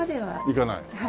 いかない？